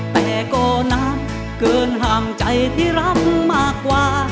แต่ก็นักเกินห่างใจที่รักมากกว่า